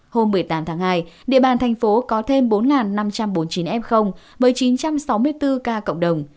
hôm một mươi tám tháng hai địa bàn thành phố có thêm bốn năm trăm bốn mươi chín em với chín trăm sáu mươi bốn ca cộng đồng